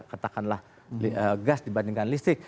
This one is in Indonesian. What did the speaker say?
katakanlah gas dibandingkan listrik